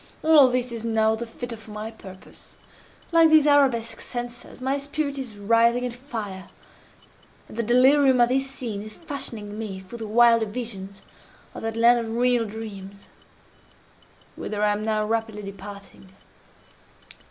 All this is now the fitter for my purpose. Like these arabesque censers, my spirit is writhing in fire, and the delirium of this scene is fashioning me for the wilder visions of that land of real dreams whither I am now rapidly departing."